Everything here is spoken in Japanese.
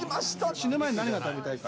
死ぬ前に何が食べたいか。